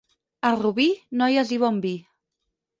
A Rubí, noies i bon vi.